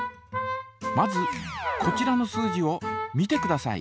まずこちらの数字を見てください。